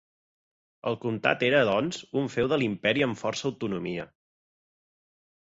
El comtat era, doncs, un feu de l'imperi amb força autonomia.